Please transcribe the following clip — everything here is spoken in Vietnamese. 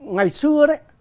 ngày xưa đấy